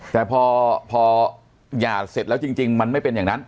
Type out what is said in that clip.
แต่พอหย่าเสร็จแล้วจริงมันไม่เป็นอย่างนั้น